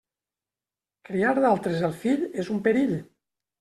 Criar d'altres el fill és un perill.